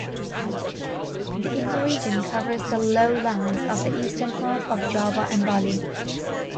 The ecoregion covers the lowlands of the eastern half of Java and Bali.